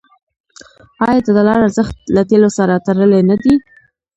آیا د ډالر ارزښت له تیلو سره تړلی نه دی؟